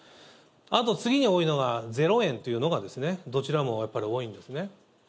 あと、次に多いのがゼロ円というのがどちらもやっぱり多いんですね。